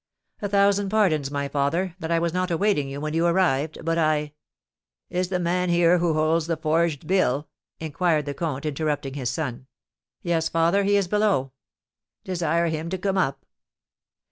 "A thousand pardons, my father, that I was not awaiting you when you arrived; but I " "Is the man here who holds the forged bill?" inquired the comte, interrupting his son. "Yes, father, he is below." "Desire him to come up."